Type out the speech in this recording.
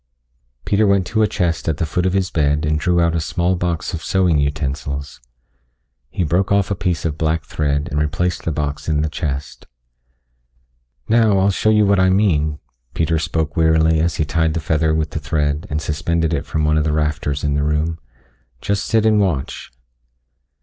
Peter went to a chest at the foot of his bed and drew out a small box of sewing utensils. He broke off a piece of black thread and replaced the box in the chest. "Now I'll show you what I mean," Peter spoke wearily as he tied the feather with the thread and suspended it from one of the rafters in the room. "Just sit and watch."